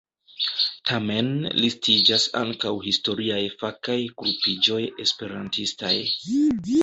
Tamen listiĝas ankaŭ historiaj fakaj grupiĝoj esperantistaj.